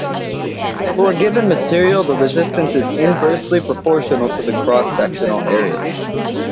For a given material, the resistance is inversely proportional to the cross-sectional area.